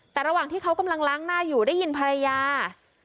แต่ระหว่างที่เขากำลังล้างหน้าอยู่ได้ยินภรรยา